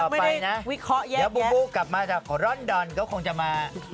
มาพบกันใหม่นะค่ะ